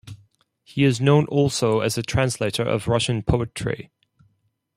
He is known also as a translator of Russian poetry.